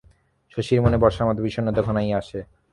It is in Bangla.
শশীর মনে বর্ষার মতো বিষণ্ণতা ঘনাইয়া আসে।